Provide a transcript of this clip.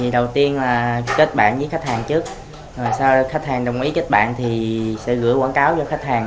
đầu tiên là kết bạn với khách hàng trước sau đó khách hàng đồng ý kết bạn thì sẽ gửi quảng cáo cho khách hàng